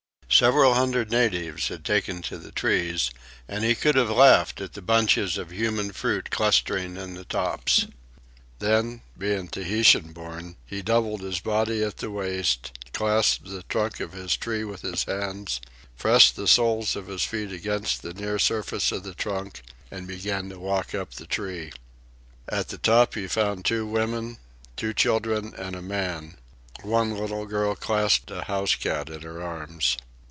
Several hundred natives had taken to the trees, and he could have laughed at the bunches of human fruit clustering in the tops. Then, being Tahitian born, he doubled his body at the waist, clasped the trunk of his tree with his hands, pressed the soles of his feet against the near surface of the trunk, and began to walk up the tree. At the top he found two women, two children, and a man. One little girl clasped a housecat in her arms.